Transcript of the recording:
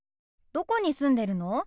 どこに住んでるの？